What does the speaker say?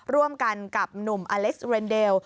ร่วมกันกับหนุ่มอเล็กซ์เรนเดล